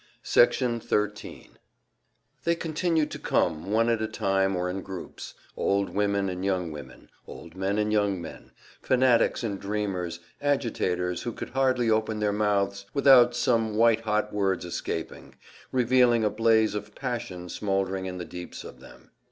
Section 13 They continued to come, one at a time or in groups; old women and young women, old men and young men, fanatics and dreamers, agitators who could hardly open their mouths without some white hot words escaping, revealing a blaze of passion smouldering in the deeps of them.